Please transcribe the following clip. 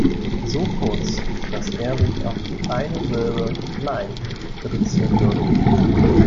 So kurz, dass er sich auf die eine Silbe "Nein " reduzieren würde.